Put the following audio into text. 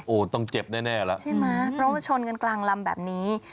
โอ้โหต้องเจ็บแน่แล้วใช่ไหมเพราะว่าชนกันกลางลำแบบนี้